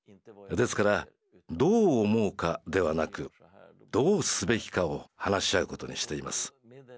ですから「どう思うか」ではなく「どうすべきか」を話し合うことにしています。